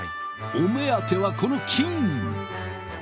お目当てはこの金！